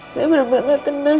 saya benar benar tenang